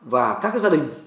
và các gia đình